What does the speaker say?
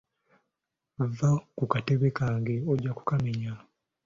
Vva ku katebe kange ojja kukamenya.